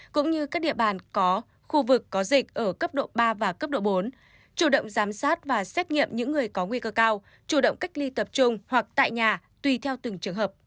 cũng như các địa bàn có khu vực có dịch ở cấp độ ba và cấp độ bốn chủ động giám sát và xét nghiệm những người có nguy cơ cao chủ động cách ly tập trung hoặc tại nhà tùy theo từng trường hợp